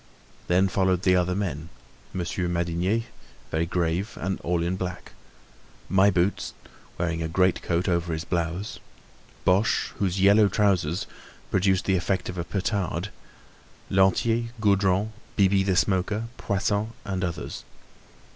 Then followed the other men—Monsieur Madinier, very grave and all in black; My Boots, wearing a great coat over his blouse; Boche, whose yellow trousers produced the effect of a petard; Lantier, Gaudron, Bibi the Smoker, Poisson and others.